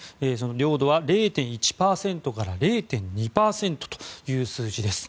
領土は０．１％から０．２％という数字です。